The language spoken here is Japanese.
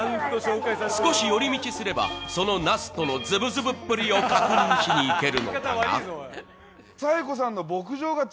少し寄り道すればその那須とのズブズブっぷりを確認しに行ける。